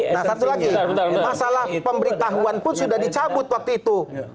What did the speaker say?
nah satu lagi masalah pemberitahuan pun sudah dicabut waktu itu